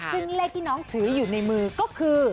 ซึ่งเลขที่น้องถืออยู่ในมือก็คือ